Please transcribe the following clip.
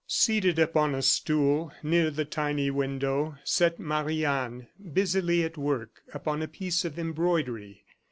Seated upon a stool, near the tiny window, sat Marie Anne, busily at work upon a piece of embroidery.